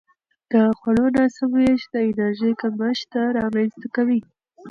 د خوړو ناسم وېش د انرژي کمښت رامنځته کوي.